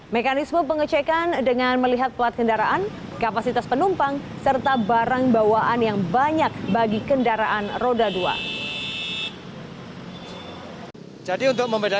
mekanisme pengecekan dengan melihat pelat kendaraan kapasitas penumpang serta barang bawaan yang banyak bagi kendaraan roda dua